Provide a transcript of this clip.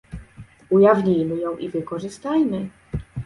Ujawnijmy ją i wykorzystajmy